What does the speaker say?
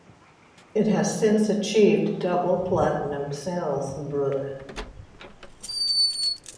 It has since achieved double-platinum sales.